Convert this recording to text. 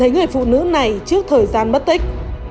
người phụ nữ này trước thời gian mất tích